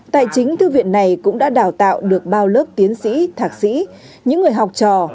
tài chính thư viện này cũng đã đào tạo được bao lớp tiến sĩ thạc sĩ những người học trò